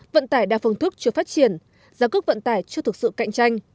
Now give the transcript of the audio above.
vận tải đa phương thức chưa phát triển giá cước vận tải chưa thực sự cạnh tranh